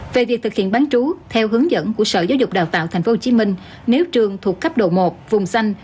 về việc thực hiện bán trú theo hướng dẫn của sở giáo dục đào tạo tp hcm nếu trường thuộc cấp độ một vùng xanh